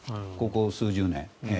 ここ数十年。